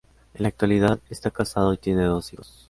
En la actualidad está casado y tiene dos hijos.